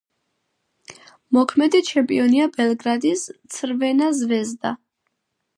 მოქმედი ჩემპიონია ბელგრადის „ცრვენა ზვეზდა“.